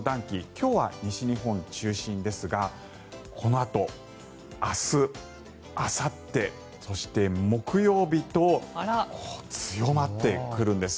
今日は西日本中心ですがこのあと、明日、あさってそして木曜日と強まってくるんです。